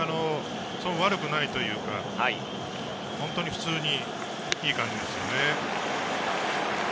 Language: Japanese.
悪くないというか、本当に普通にいい感じです。